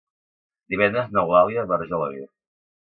Divendres n'Eulàlia va a Argelaguer.